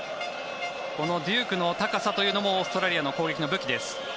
このデュークの高さもオーストラリアの攻撃の武器です。